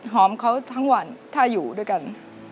หอมเขาทั้งวันถ้าอยู่ด้วยกัน